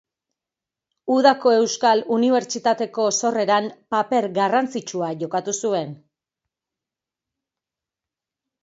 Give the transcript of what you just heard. Udako Euskal Unibertsitateko sorreran paper garrantzitsua jokatu zuen.